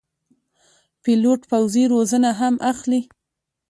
پیلوټ پوځي روزنه هم اخلي.